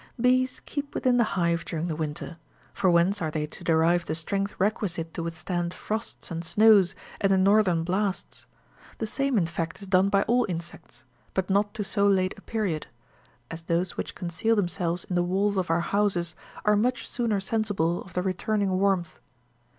Bees keep within the hive during the winter— for whence are they to derive the strength requisite to withstand frosts and snows, and the northern blasts ? The same, in fact, is done by all insects, but not to so late a period; as those f) PLINY'S NATUEAL HISTOEY. [Book XI. which conceal themselves in the walls of our houses, are much sooner sensible of the returning warmth.